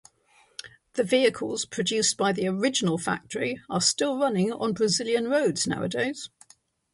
The vehicles produced by the original factory are still running on Brazilian roads nowadays.